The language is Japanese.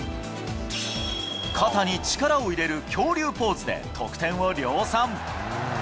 肩に力を入れる恐竜ポーズで得点を量産。